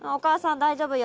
大丈夫よ。